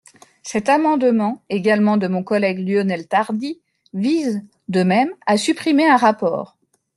Cet amendement, également de mon collègue Lionel Tardy, vise, de même, à supprimer un rapport.